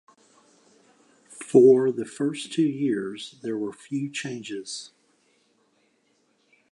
For the first two years there were few changes.